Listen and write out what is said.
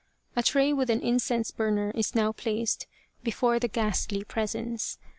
A tray with an incense burner is now placed before the ghastly presence.